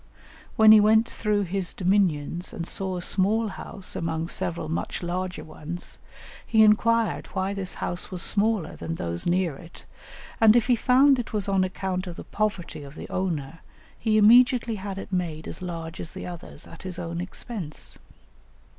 When he went through his dominions and saw a small house among several much larger ones, he inquired why this house was smaller than those near it, and if he found it was on account of the poverty of the owner, he immediately had it made as large as the others at his own expense.